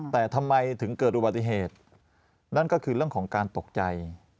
แต่ทำไมถึงเกิดอุบัติเหตุนั่นก็คือเรื่องของการตกใจ